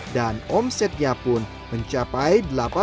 dan omsetnya pun mencapai delapan ratus